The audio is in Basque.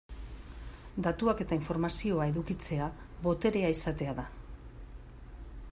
Datuak eta informazioa edukitzea, boterea izatea da.